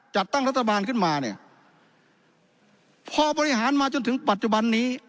จัดตั้งรัฐบาลขึ้นมาเนี่ยพอบริหารมาจนถึงปัจจุบันนี้